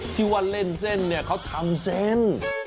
ที่วันเล่นเส้นเขาทำเส้น